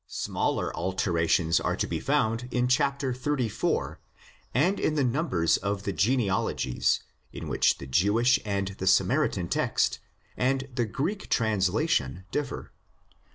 Smaller alterations are to be found in xxxiv. and in the numbers of the genealogies, in which the Jewish and the Samaritan text, and the Greek translation differ.